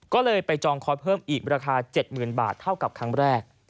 ก็เลยไปจองคอยเพิ่มอีกราคา๗๐๐๐บาทเท่ากับครั้งแรก